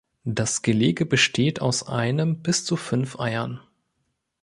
Das Gelege besteht aus einem bis zu fünf Eiern.